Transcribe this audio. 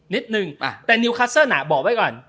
นิดนึงแต่นิวคัสเซอร์น่ะบอกไว้ก่อน